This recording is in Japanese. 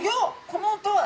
この音は！